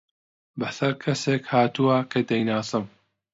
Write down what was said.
بەسەر کەسێک هاتووە کە دەیناسم.